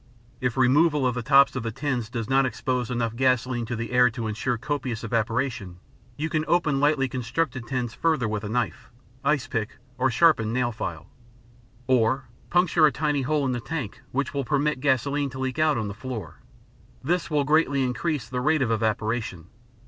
If removal of the tops of the tins does not expose enough gasoline to the air to ensure copious evaporation, you can open lightly constructed tins further with a knife, ice pick or sharpened nail file. Or puncture a tiny hole in the tank which will permit gasoline to leak out on the floor. This will greatly increase the rate of evaporation.